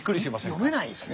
読めないっすね。